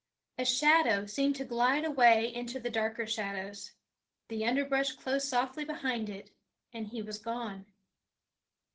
A shadow seemed to glide away into the darker shadows. The underbrush closed softly behind it, and he was gone.